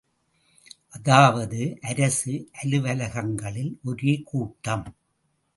அதாவது, அரசு அலுவலகங்களில் ஒரே கூட்டம்!